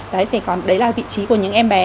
đấy là vị trí của những em bé